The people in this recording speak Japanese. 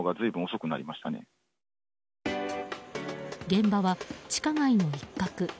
現場は地下街の一角。